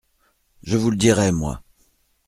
Je vous le dirai, moi.